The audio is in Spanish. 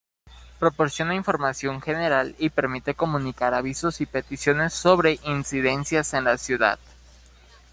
Proporciona información general y permite comunicar avisos y peticiones sobre incidencias en la ciudad.